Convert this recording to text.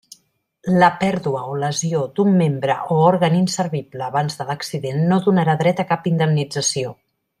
La pèrdua o lesió d'un membre o òrgan inservible abans de l'accident no donarà dret a cap indemnització.